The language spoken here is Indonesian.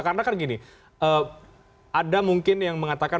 karena kan gini ada mungkin yang mengatakan